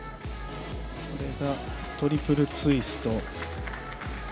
これがトリプルツイスト。